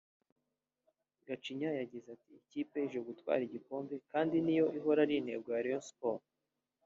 Gacinya yagize ati “Ikipe ije gutwara igikombe kandi niyo ihora ari intego kuri Rayon Sports